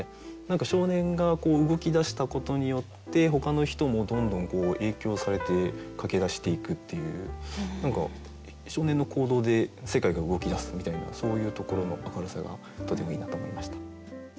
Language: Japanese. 少年が動き出したことによってほかの人もどんどん影響されて駆け出していくっていう何か少年の行動で世界が動き出すみたいなそういうところの明るさがとてもいいなと思いました。